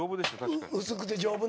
薄くて丈夫なのが。